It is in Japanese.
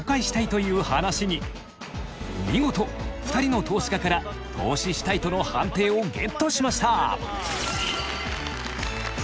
見事２人の投資家から投資したいとの判定をゲットしました。